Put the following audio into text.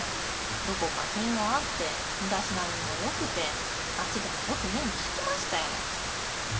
どこか品があって身だしなみもよくて町でもよく目につきましたよ。